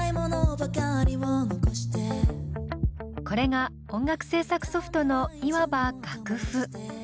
これが音楽制作ソフトのいわば楽譜。